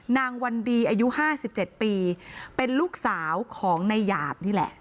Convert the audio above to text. นางวันดีอายุห้าสิบเจ็ดปีเป็นลูกสาวของนายาบนี่แหละ